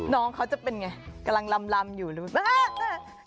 น้องเขาจะเป็นไงกำลังลำอยู่หรือเปล่า